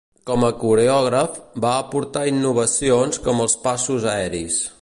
Com a coreògraf, va aportar innovacions com els passos aeris.